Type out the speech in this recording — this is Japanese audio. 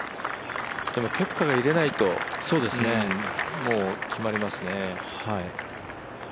でもケプカが入れないともう決まりますね。